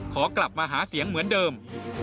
ขอกลับมาหาเสียงเหมือนเดิม